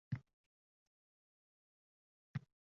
Xullas, hamma og’zin ochib qolardi.